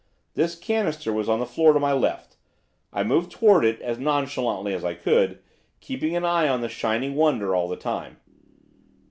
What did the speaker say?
This canister was on the floor to my left. I moved towards it, as nonchalantly as I could, keeping an eye on that shining wonder all the time.